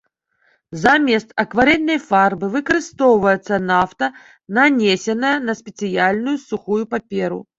Замест акварэльнай фарбы выкарыстоўваецца нафта, нанесеная на спецыяльную сухую паперу.